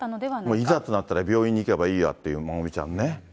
もういざとなった病院に行けばいいやっていう、まおみちゃんね。